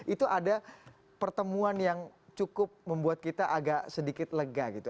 itu ada pertemuan yang cukup membuat kita agak sedikit lega gitu